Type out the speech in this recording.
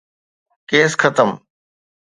Case ختم.